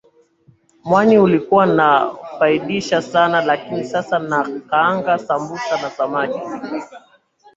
Mwani ulikuwa unanifaidisha sana lakini sasa nakaanga sambusa na samaki